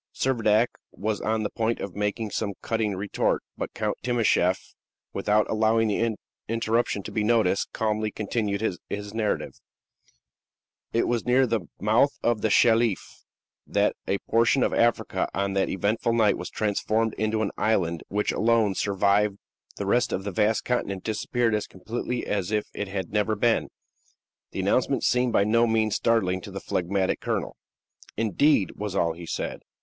Servadac was on the point of making some cutting retort, but Count Timascheff, without allowing the interruption to be noticed, calmly continued his narrative: "It was near the mouth of the Shelif that a portion of Africa, on that eventful night, was transformed into an island which alone survived; the rest of the vast continent disappeared as completely as if it had never been." The announcement seemed by no means startling to the phlegmatic colonel. "Indeed!" was all he said.